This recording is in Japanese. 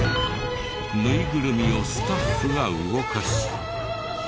縫いぐるみをスタッフが動かし。